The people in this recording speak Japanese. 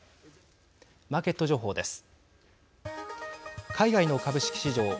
マーケット情報です。